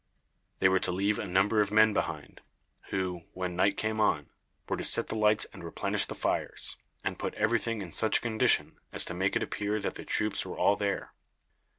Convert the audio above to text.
They were to leave a number of men behind, who, when night came on, were to set the lights and replenish the fires, and put every thing in such a condition as to make it appear that the troops were all there.